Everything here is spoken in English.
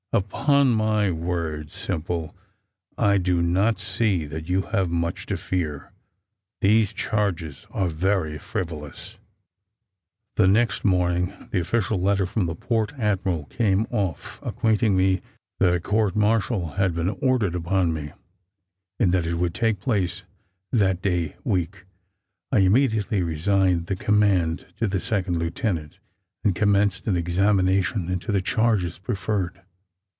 "Upon my word, Simple, I do not see that you have much to fear. These charges are very frivolous." The next morning, the official letter from the port admiral came off, acquainting me that a court martial had been ordered upon me, and that it would take place that day week. I immediately resigned the command to the second lieutenant, and commenced an examination into the charges preferred.